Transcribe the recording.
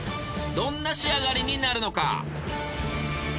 どんな仕上がりになるのか。